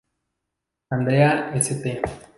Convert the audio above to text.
Andrea St.